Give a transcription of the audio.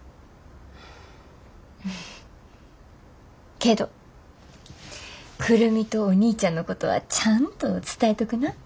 けど久留美とお兄ちゃんのことはちゃんと伝えとくな。